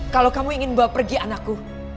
kalau kamu ingin bawa pergi anakku